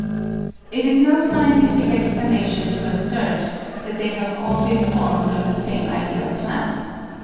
It is no scientific explanation to assert that they have all been formed on the same ideal plan.